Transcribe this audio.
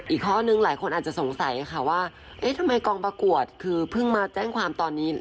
อีกข้อนึงหลายคนอาจจะสงสัยค่ะว่าเอ๊ะทำไมกองประกวดคือเพิ่งมาแจ้งความตอนนี้